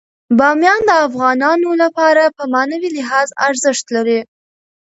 بامیان د افغانانو لپاره په معنوي لحاظ ارزښت لري.